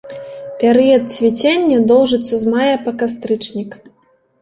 Перыяд цвіцення доўжыцца з мая па кастрычнік.